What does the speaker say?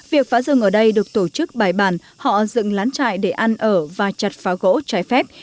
việc phá rừng ở đây được tổ chức bài bản họ dựng lán trại để ăn ở và chặt phá gỗ trái phép